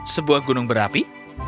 sebuah gunung berapi